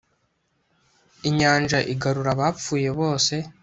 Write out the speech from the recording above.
inyanja igarura abapfuye bose